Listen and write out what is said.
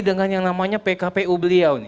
dengan yang namanya pkpu beliau